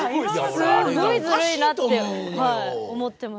すごいズルいなって思ってました。